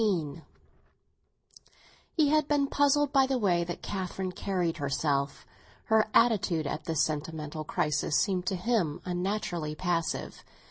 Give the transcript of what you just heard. XV HE had been puzzled by the way that Catherine carried herself; her attitude at this sentimental crisis seemed to him unnaturally passive.